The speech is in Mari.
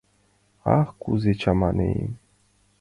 — Ах, кузе чаманем.